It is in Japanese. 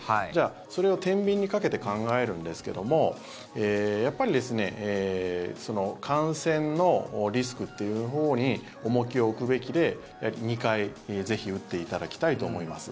それをてんびんにかけて考えるんですけどもやっぱり感染のリスクというほうに重きを置くべきで２回、ぜひ打っていただきたいと思います。